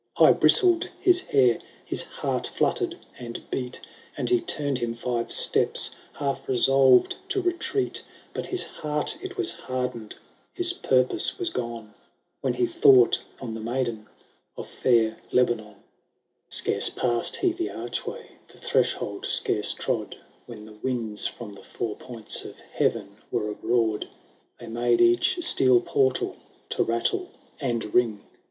High bristled his hair, his heart fluttered and beat, And he turned him five steps, half resolved to retivnt ; But his heart it was hardened, his purpose was gone, W hen he thought on the niaideu of fair Lebanon. THE FIEE KING. 719 Scarce passed he the archway, the threshold scarce trod, When the winds from the four points of heaven were abroad ; They made each steel portal to rattle and ring.